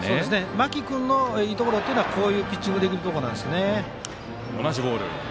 間木君のいいところっていうのはこういうピッチングできるところなんですよね。